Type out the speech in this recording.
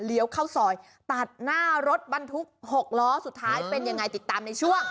เข้าซอยตัดหน้ารถบรรทุก๖ล้อสุดท้ายเป็นยังไงติดตามในช่วง